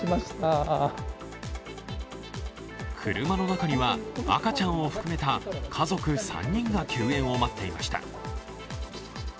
車の中には赤ちゃんを含めた家族３人が救援を待っていました。